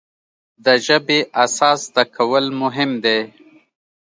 د ژبې اساس زده کول مهم دی.